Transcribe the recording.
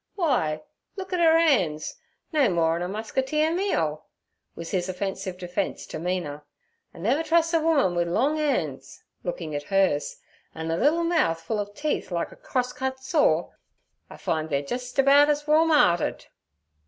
W'y, look at 'er 'an's—no more 'en a muskeeter meal' was his offensive defence to Mina. 'I never trus' a woman wi' long 'an's'—looking at hers—'and a liddle mouth full ov teeth like a cross cut saw. I find they're jist about as warm' earted.'